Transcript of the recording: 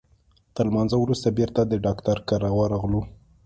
تر لمانځه وروسته بیرته د ډاکټر کره ورغلو.